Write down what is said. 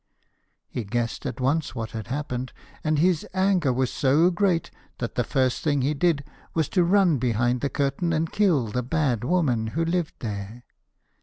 He guessed at once what had happened, and his anger was so great that the first thing he did was to run behind the curtain and kill the bad woman who lived there.